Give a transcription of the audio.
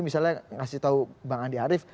misalnya ngasih tahu bang andi arief